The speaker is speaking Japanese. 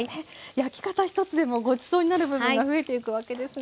焼き方一つでもごちそうになる部分が増えていくわけですね。